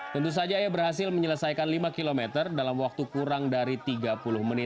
tentu saja ia berhasil menyelesaikan lima km dalam waktu kurang dari tiga puluh menit